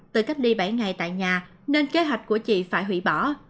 từ cách đi bảy ngày tại nhà nên kế hoạch của chị phải hủy bỏ